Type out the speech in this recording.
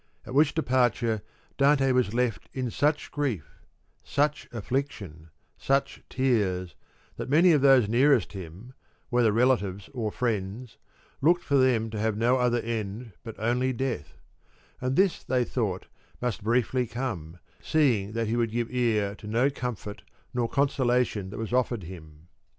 At which departure Dante was left in such grief, such affliction, such tears, that many of those nearest him, whether relatives or friends, looked for them to have no other end but only death ; and this they thought must briefly come, seeing that he would give ear to no comfort nor consolation that was offered him.